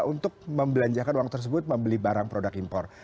untuk membelanjakan uang tersebut membeli barang produk impor